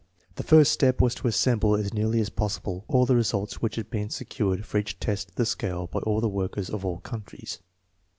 The first step was to assemble as nearly as possible all the results which had been secured for each test of the scale by all the workers of all countries.